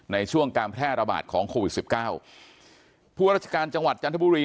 ในช่วงการแพร่ระบาดของโควิดสิบเก้าผู้ราชการจังหวัดจันทบุรี